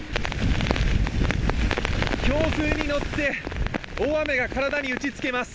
強風に乗って大雨が体に打ちつけます。